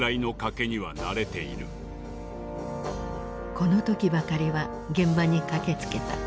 この時ばかりは現場に駆けつけた。